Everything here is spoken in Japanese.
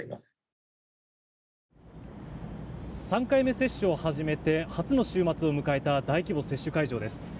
３回目接種を始めて初の週末を迎えた大規模接種会場です。